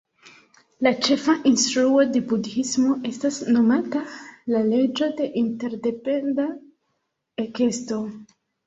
La ĉefa instruo de budhismo estas nomata "la leĝo de interdependa ekesto".